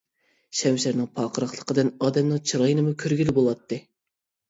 شەمشەرنىڭ پارقىراقلىقىدىن ئادەمنىڭ چىرايىنىمۇ كۆرگىلى بولاتتى.